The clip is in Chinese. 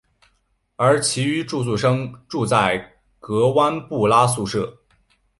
而其余的住宿生住在格湾布拉宿舍。